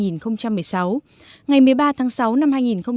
ngày một mươi ba tháng sáu năm hai nghìn một mươi chín